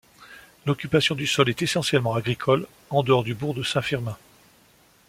L’occupation du sol est essentiellement agricole en dehors du bourg de St Firmin.